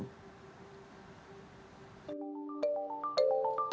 undang undang nomor tujuh tahun dua ribu tujuh belas